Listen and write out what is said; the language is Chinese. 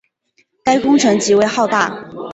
该工程极为浩大。